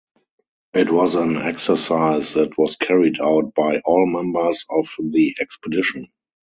It was an exercise that was carried out by all members of the expedition.